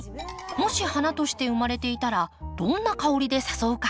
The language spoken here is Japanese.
もし花として生まれていたらどんな香りで誘うか。